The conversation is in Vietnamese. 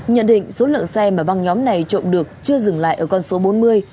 nhận định số lượng xe mà băng nhóm này trộm được chưa dừng lại ở con số bốn mươi